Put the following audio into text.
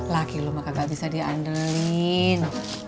laki lu mah kagak bisa dianderin